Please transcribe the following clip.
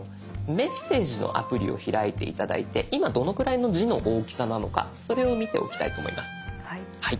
メッセージのアプリを開いて頂いて今どのくらいの字の大きさなのかそれを見ておきたいと思います。